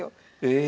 え。